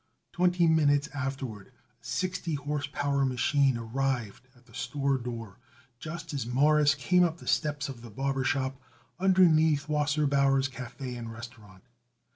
Twenty minutes afterward a sixty horsepower machine arrived at the store door just as Morris came up the steps of the barber shop underneath Wasserbauer's Café and Restaurant.